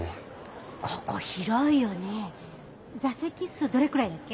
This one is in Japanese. ここ広いよね座席数どれくらいだっけ？